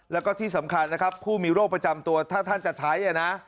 แล้วก็ที่สำคัญนะครับผู้มีโรคประจำตัวถ้าท่านจะใช้นะ